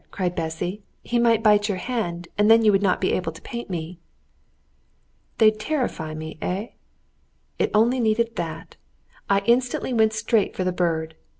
cried Bessy; "he might bite your hand, and then you would not be able to paint me." They'd terrify me, eh? It only needed that. I instantly went straight for the bird.